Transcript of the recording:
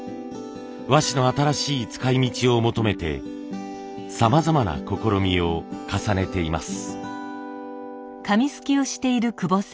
和紙の新しい使いみちを求めてさまざまな試みを重ねています。